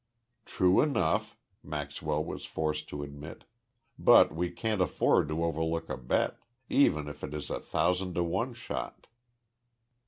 "True enough," Maxwell was forced to admit, "but we can't afford to overlook a bet even if it is a thousand to one shot."